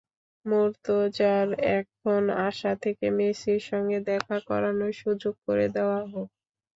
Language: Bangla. মুর্তজার এখন আশা, তাঁকে মেসির সঙ্গে দেখা করানোর সুযোগ করে দেওয়া হোক।